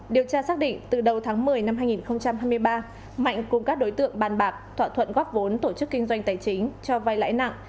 điều tra xác định từ đầu tháng một mươi năm hai nghìn hai mươi ba mạnh cùng các đối tượng bàn bạc thỏa thuận góp vốn tổ chức kinh doanh tài chính cho vai lãi nặng